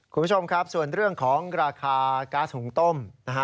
คุณผู้ชมครับส่วนเรื่องของราคาก๊าซหุงต้มนะฮะ